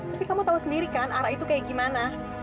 tapi kamu tahu sendiri kan arah itu kayak gimana